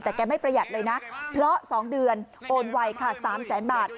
แต่แกไม่ประหยัดเลยนะเพราะสองเดือนโอนวัยขาดสามแสนบาท